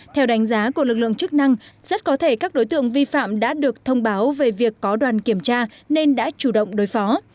theo đánh giá của lực lượng chức năng rất có thể các đối tượng vi phạm đã được thông báo về việc có đoàn kiểm tra nên đã chủ động đối phó